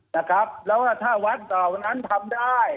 นะครับแล้วว่าถ้าวัดเก่านั้นทำได้